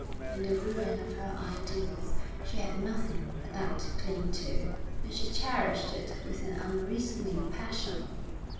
In the ruin of her ideals she had nothing but that to cling to, and she cherished it with an unreasoning passion.